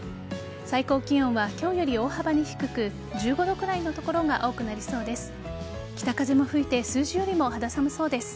最高気温は今日より大幅に低く１５度くらいの所が多くなりそうです。